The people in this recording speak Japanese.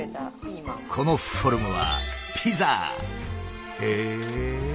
このフォルムはへえ！